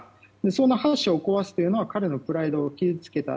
その橋を壊すというのは彼のプライドを傷つけた。